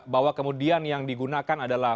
bahwa kemudian yang digunakan adalah